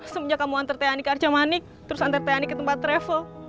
semenjak kamu hantar teh anik ke arca manik terus hantar teh anik ke tempat travel